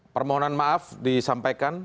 permohonan maaf disampaikan